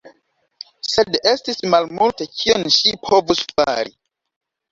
Sed estis malmulte kion ŝi povus fari.